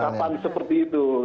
pengungkapan seperti itu